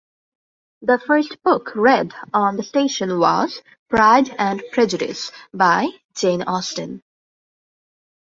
The first book read on the station was "Pride and Prejudice" by Jane Austen.